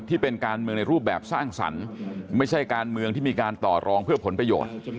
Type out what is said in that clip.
ที่เป็นการเมืองในรูปแบบสร้างสรรค์ไม่ใช่การเมืองที่มีการต่อรองเพื่อผลประโยชน์